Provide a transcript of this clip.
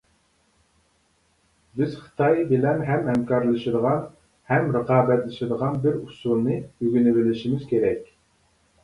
بىز خىتاي بىلەن ھەم ھەمكارلىشىدىغان، ھەم رىقابەتلىشىدىغان بىر ئۇسۇلنى ئۆگىنىۋېلىشىمىز كېرەك.